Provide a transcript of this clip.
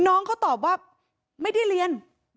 น้องเขาตอบว่าไม่ได้เรียน